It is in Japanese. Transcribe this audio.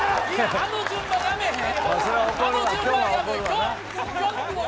あの順番やめへん。